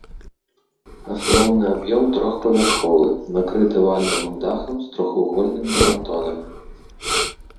Асноўны аб'ём трохпавярховы, накрыты вальмавым дахам з трохвугольнымі франтонамі.